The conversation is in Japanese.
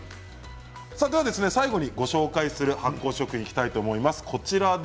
では最後にご紹介する発酵食品にいきたいと思います。